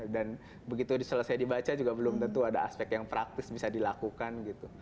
dan begitu selesai dibaca juga belum tentu ada aspek yang praktis bisa dilakukan gitu